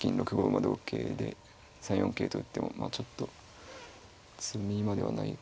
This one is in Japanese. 馬同桂で３四桂と打ってもまあちょっと詰みまではないかなと。